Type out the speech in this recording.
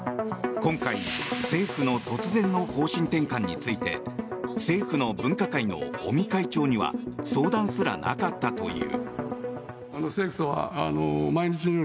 今回、政府の突然の方針転換について政府の分科会の尾身会長には相談すらなかったという。